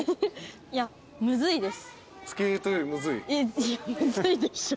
いやむずいです。